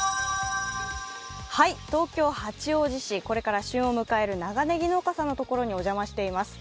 東京・八王子市、これから旬を迎える長ねぎ農家さんにお邪魔しています。